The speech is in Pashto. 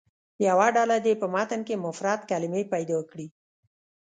یوه ډله دې په متن کې مفرد کلمې پیدا کړي.